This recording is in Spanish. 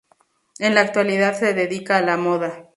En la actualidad se dedica a la moda.